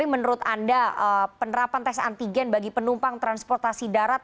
menurut anda penerapan tes antigen bagi penumpang transportasi darat